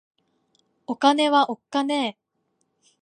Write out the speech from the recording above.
お金はおっかねぇ